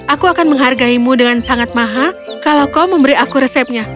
aku akan menghargaimu dengan sangat mahal kalau kau memberi aku resepnya